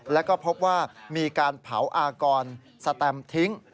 แล้วก็พบว่ามีการเผาอากรสแตมทิ้ง